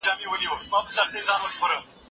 څنګه ترانزیت پر نورو هیوادونو اغیز کوي؟